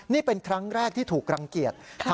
นี่เป็นครั้งแรกที่ถูกรังเกียจ